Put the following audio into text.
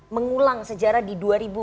mengulang sejarah di dua ribu empat belas